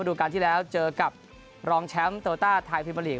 มาดูกันที่แล้วเจอกับรองแชมป์โตรต้าไทยภิมันหลีก